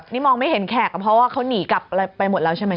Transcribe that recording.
นี่มองไม่เห็นแขกเพราะว่าเขาหนีกลับไปหมดแล้วใช่ไหม